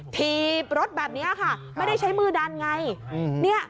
ถีบรถแบบนี้ค่ะไม่ได้ใช้มือดันไง